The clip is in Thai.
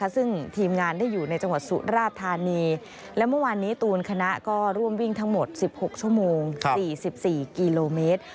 ซึ่งทีมงานได้อยู่ในจังหวัดสุราธานีและเมื่อวานนี้ตูนคณะก็ร่วมวิ่งทั้งหมด๑๖ชั่วโมง๔๔กิโลเมตร